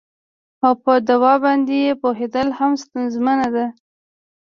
او په دوا باندې یې پوهیدل هم ستونزمنه ده